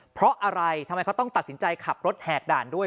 เพราะอะไรทำไมเขาต้องตัดสินใจขับรถแหกด่านด้วย